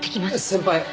先輩